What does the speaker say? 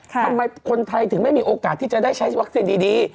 ทำไมคนไทยถึงไม่มีโอกาสที่จะได้ใช้วัคซีนดี